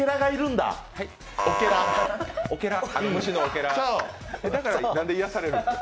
だからなんで癒やされるんですか？